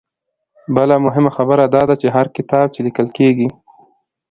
بله مهمه خبره دا ده چې هر کتاب چې ليکل کيږي